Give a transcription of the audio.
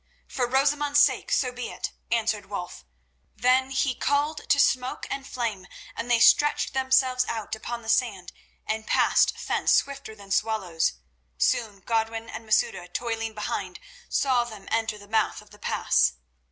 "For Rosamund's sake, so be it," answered Wulf. Then he called to Smoke and Flame, and they stretched themselves out upon the sand and passed thence swifter than swallows. Soon Godwin and Masouda, toiling behind, saw them enter the mouth of the pass.